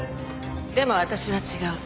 でも私は違う。